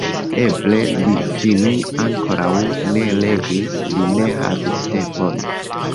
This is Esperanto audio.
Eble li ĝin ankoraŭ ne legis, li ne havis tempon?